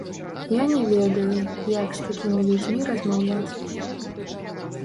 Я не ведаю, як з такімі людзьмі размаўляць.